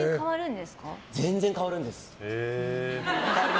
全然変わるんです。